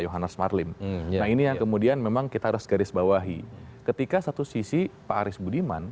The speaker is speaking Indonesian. johannes marlim nah ini yang kemudian memang kita harus garis bawahi ketika satu sisi pak aris budiman